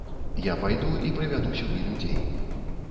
Я пайду і прывяду сюды людзей.